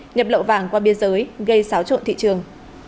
nhập lậu vàng qua biên giới gây xáo trộn thị trường